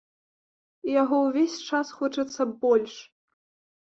Яго ўвесь час хочацца больш.